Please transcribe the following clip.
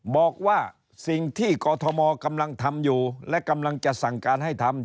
บอกว่าสิ่งที่กรทมกำลังทำอยู่และกำลังจะสั่งการให้ทำ